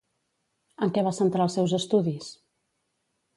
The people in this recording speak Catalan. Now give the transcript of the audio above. En què va centrar els seus estudis?